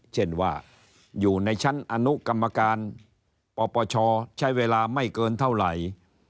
เช่นว่าอยู่ในชั้นอนุกรรมการปปชใช้เวลาไม่เกินเท่าไหร่